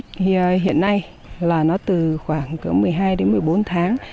cây magic hiện nay là từ khoảng một mươi hai đồng